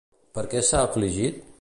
Per què s'ha afligit?